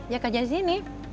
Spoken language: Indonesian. ya kerja di sini